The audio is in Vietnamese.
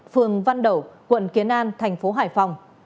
phường văn đậu quận kiến an thành phố hải phòng